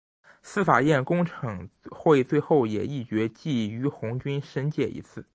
司法院公惩会最后也议决记俞鸿钧申诫一次。